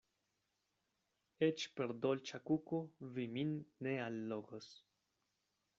Eĉ per dolĉa kuko vi min ne allogos.